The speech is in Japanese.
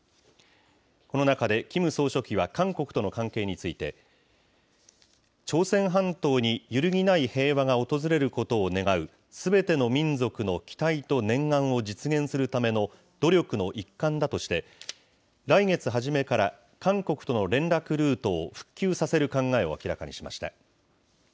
この中でキム総書記は韓国との関係について、朝鮮半島に揺るぎない平和が訪れることを願う、すべての民族の期待と念願を実現するための努力の一環だとして、来月初めから韓国との連絡ルートを復旧させる考えを明らかにしました。